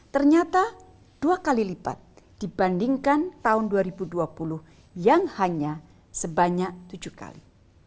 ternyata dua kali lipat dibandingkan tahun dua ribu dua puluh yang hanya sebanyak tujuh kali